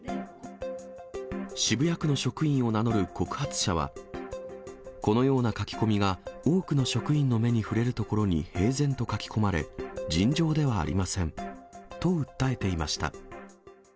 渋谷区の職員を名乗る告発者は、このような書き込みが、多くの職員の目に触れるところに平然と書き込まれ、尋常ではありませんと訴えていました。